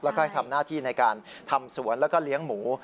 แล้วก็ให้ทำหน้าที่ในการทำสวนแล้วก็เลี้ยงหมู